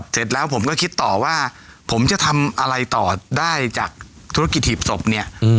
เสร็จแล้วผมก็คิดต่อว่าผมจะทำอะไรต่อได้จากธุรกิจหีบศพเนี่ย